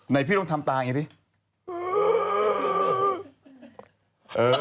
พี่ลองทำตาอย่างนี้ดิ